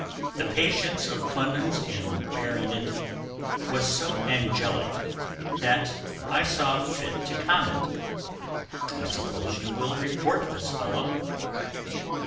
The patience of Clemens in bearing it was so angelic that I saw fit to comment, "I suppose you will report this fellow."